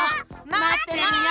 まってるよ！